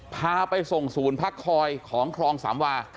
พาไปส่งศูนย์พักคอยของคลองสามวา